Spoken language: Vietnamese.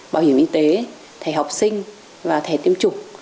bảo hiểm y tế thẻ học sinh và thẻ tiêm chủng